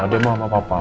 oh dia mau sama papa